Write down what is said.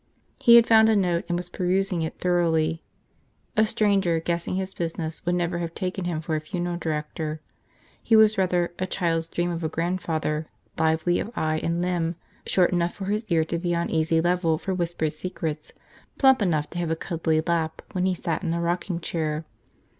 He had found a note and was perusing it thoroughly. A stranger guessing his business would never have taken him for a funeral director. He was, rather, a child's dream of a grandfather, lively of eye and limb, short enough for his ear to be on easy level for whispered secrets, plump enough to have a cuddly lap when he sat in a rocking chair.